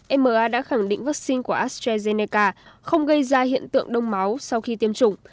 maa đã khẳng định vaccine của astrazeneca không gây ra hiện tượng đông máu sau khi tiêm chủng